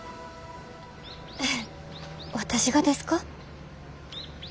えっ私がですか？